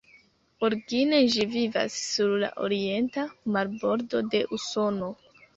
Origine ĝi vivas sur la orienta marbordo de Usono.